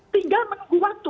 tinggal menunggu waktu